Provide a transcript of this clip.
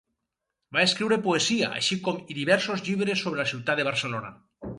Va escriure poesia, així com i diversos llibres sobre la ciutat de Barcelona.